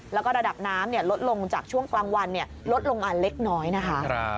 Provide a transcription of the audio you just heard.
แล้วก็ระดับน้ำลดลงจากช่วงกลางวันลดลงมาเล็กน้อยนะคะ